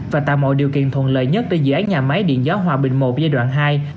và tạo mọi điều kiện thuận lợi nhất để dự án nhà máy điện gió hòa bình i giai đoạn ii